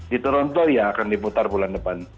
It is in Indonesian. di toronto yang akan diputar bulan depan